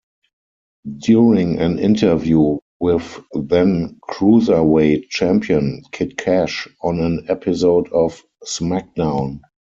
During an interview with then Cruiserweight Champion Kid Kash on an episode of SmackDown!